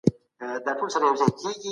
د درملو کارول باید د ډاکټر په مشوره وي.